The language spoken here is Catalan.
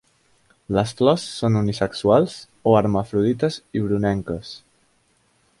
Les flors són unisexuals o hermafrodites i brunenques.